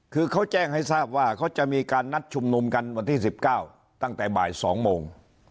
คือเขาแจ้งให้ทราบว่าเขาจะมีการนัดชุมนุมกันวันที่๑๙ตั้งแต่บ่าย๒โมง